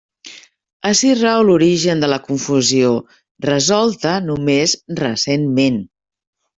Ací rau l'origen de la confusió, resolta només recentment.